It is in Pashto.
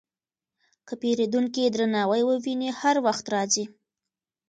که پیرودونکی درناوی وویني، هر وخت راځي.